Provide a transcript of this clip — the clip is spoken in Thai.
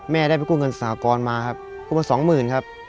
แม่ได้ไปกู้เงินสหกรณ์มาครับกู้มาสองหมื่นครับ